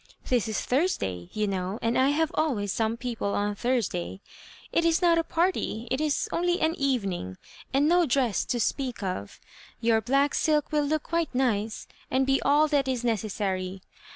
This is Thursday, you know, and I have always some people on Thursday. It is not a party — it is only an Evening — and no dress to speak of. Your black silk will look quite nice, and be all that is neces sary.